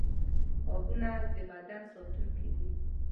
• غاښونه د بدن ساتونکي دي.